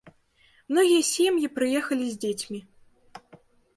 Многія сем'і прыехалі з дзецьмі.